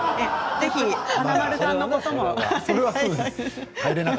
ぜひ華丸さんのことも。